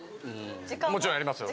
もちろんやりますよ。